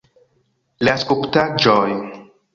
La skulptaĵoj!